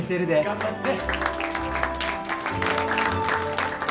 頑張って！